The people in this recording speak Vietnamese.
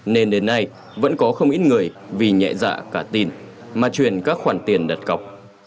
nên đến nay vẫn có không ít người vì nhẹ dạ cả tin mà truyền các khoản tiền đặt cọc